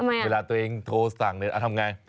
แต่ตัวเองโทรสั่งเลยทำยังไง